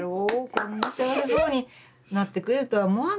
こんな幸せそうになってくれるとは思わんかったよね